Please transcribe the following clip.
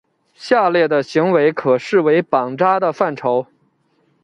下列的行为可视为绑扎的范畴。